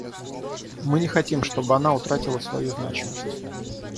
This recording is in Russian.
Мы не хотим, чтобы она утратила свою значимость.